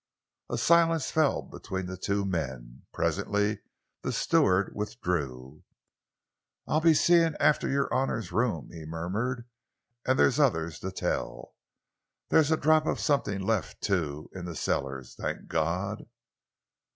A silence fell between the two men. Presently the steward withdrew. "I'll be seeing after your honour's room," he murmured "and there's others to tell. There's a drop of something left, too, in the cellars, thank God!"